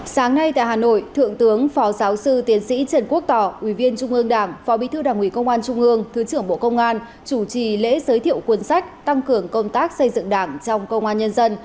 sáng nay tại hà nội thượng tướng phó giáo sư tiến sĩ trần quốc tỏ ủy viên trung ương đảng phó bí thư đảng ủy công an trung ương thứ trưởng bộ công an chủ trì lễ giới thiệu cuốn sách tăng cường công tác xây dựng đảng trong công an nhân dân